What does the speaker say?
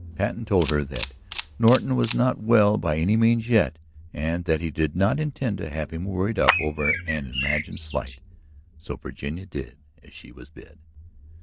Patten told her that Norton was not well by any means yet and that he did not intend to have him worried up over an imagined slight. So Virginia did as she was bid.